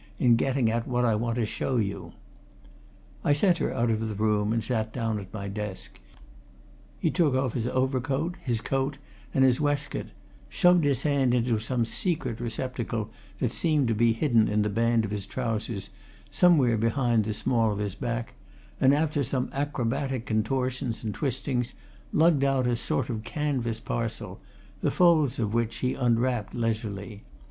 in getting at what I want to show you." I sent her out of the room, and sat down at my desk. He took off his overcoat, his coat, and his waistcoat, shoved his hand into some secret receptacle that seemed to be hidden in the band of his trousers, somewhere behind the small of his back, and after some acrobatic contortions and twistings, lugged out a sort of canvas parcel, the folds of which he unwrapped leisurely.